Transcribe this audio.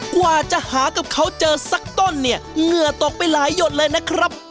กว่าจะหากับเขาเจอสักต้นเนี่ยเหงื่อตกไปหลายหยดเลยนะครับ